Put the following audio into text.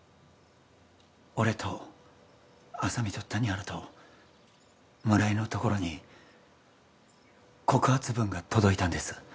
俺と浅見と谷原と村井のところに告発文が届いたんです